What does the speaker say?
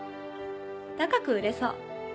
高く売れそう。